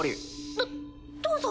どどうぞ。